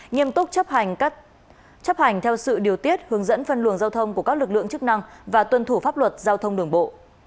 nghiêm túc chấp hành chấp hành theo sự điều tiết hướng dẫn phân luồng giao thông của các lực lượng chức năng và tuân thủ pháp luật giao thông đường bộ